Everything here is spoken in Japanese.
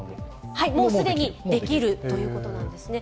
もう既にできるということなんですね。